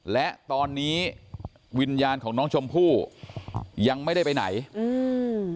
และตอนนี้วิญญาณของน้องชมพู่ยังไม่ได้ไปไหนอืม